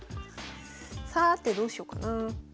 さてどうしようかな。